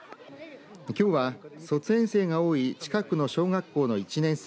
きょうは卒園生が多い近くの小学校の１年生